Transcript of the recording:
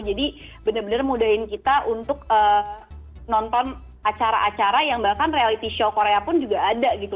jadi bener bener mudahin kita untuk nonton acara acara yang bahkan reality show korea pun juga ada gitu